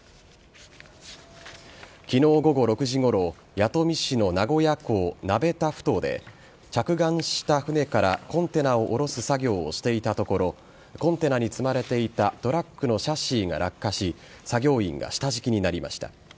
昨日午後６時ごろ弥富市の名古屋港鍋田ふ頭で着岸した船からコンテナを下ろす作業をしていたところコンテナに積まれていたトラックのシャシーが落下し作業員が下敷きになりました。